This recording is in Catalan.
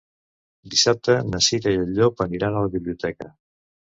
Dissabte na Cira i en Llop aniran a la biblioteca.